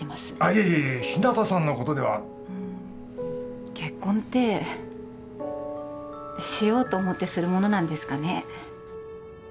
いえいえ日向さんのことでは結婚ってしようと思ってするものなんですかね